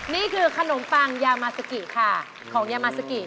นี่คือขนมปังยามาซากิค่ะของยามาซากิ